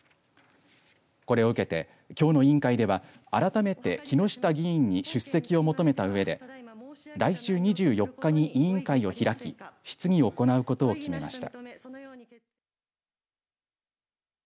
これを受けてきょうの委員会では改めて、木下議員に出席を求めたうえで来週２４日に委員会を開き質疑を行うことを決めました。